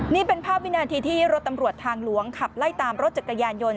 นี่เป็นภาพวินาทีที่รถตำรวจทางหลวงขับไล่ตามรถจักรยานยนต์